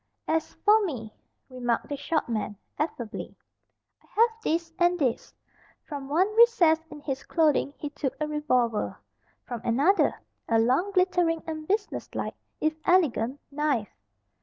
"As for me," remarked the short man, affably, "I have this, and this." From one recess in his clothing he took a revolver. From another, a long, glittering, and business like, if elegant, knife.